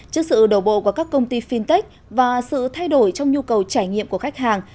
trước sự đầu bộ của các công ty fintech và sự thay đổi trong nhu cầu trải nghiệm của khách hàng